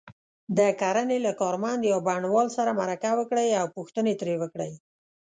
د کرنې له کارمند یا بڼوال سره مرکه وکړئ او پوښتنې ترې وکړئ.